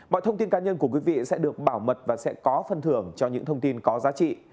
mọi thông tin cá nhân của quý vị sẽ được bảo mật và sẽ có phân thưởng cho những thông tin có giá trị